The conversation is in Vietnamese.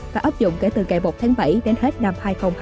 và ấp dụng kể từ ngày một tháng bảy đến hết năm hai nghìn hai mươi ba